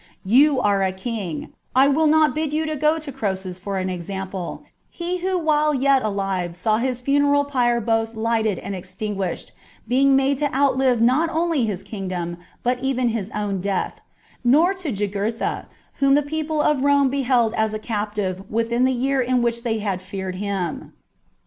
You are a king : I will not bid you go to Croesus for an example, he who while yet alive saw his funeral pile both lighted and extinguished, being made to outlive not only his kingdom but even his own death, nor to Jugurtha, whom the people of Rome beheld as a captive within the year in which they had feared him.